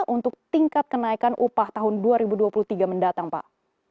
untuk tingkat kenaikan upah tahun dua ribu dua puluh tiga mendatang pak